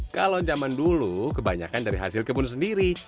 kalau zaman dulu kebanyakan dari hasil kebun sendiri